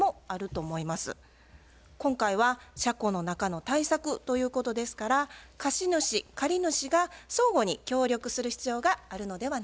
今回は車庫の中の対策ということですから貸主借り主が相互に協力する必要があるのではないでしょうか。